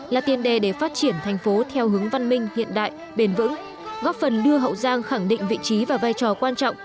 là tiền đề để phát triển thành phố theo hướng văn minh hiện đại bền vững góp phần đưa hậu giang khẳng định vị trí và vai trò quan trọng